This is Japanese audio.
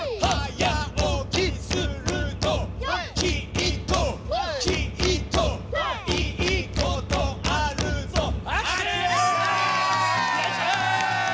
きっときっといいことあるぞ！はくしゅ！